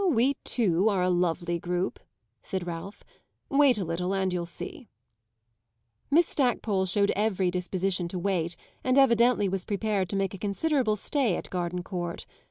"Ah, we too are a lovely group!" said Ralph. "Wait a little and you'll see." Miss Stackpole showed every disposition to wait and evidently was prepared to make a considerable stay at Gardencourt.